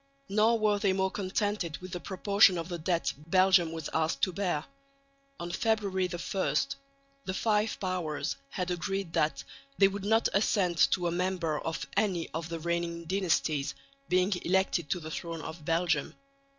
Nor were they more contented with the proportion of the debt Belgium was asked to bear. On February 1 the Five Powers had agreed that they would not assent to a member of any of the reigning dynasties being elected to the throne of Belgium.